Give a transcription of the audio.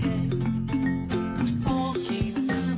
「おおきなくも」